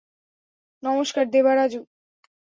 নমস্কার, দেবারাজু।